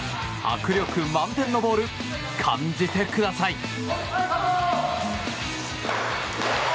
迫力満点のボール感じてください。